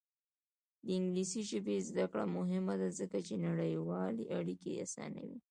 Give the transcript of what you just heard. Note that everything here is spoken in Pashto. د انګلیسي ژبې زده کړه مهمه ده ځکه چې نړیوالې اړیکې اسانوي.